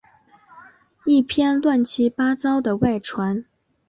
一篇乱七八糟的外传